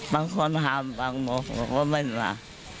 บางคนถามบางคนบอกว่าไม่มา